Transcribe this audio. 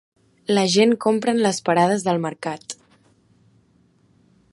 La gent compra en les parades del mercat.